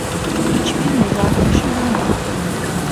Hiçbir mezartaşı bulunamadı.